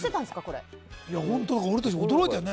俺たちも驚いたよね。